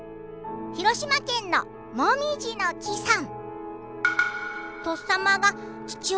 広島県の、もみじの木さん。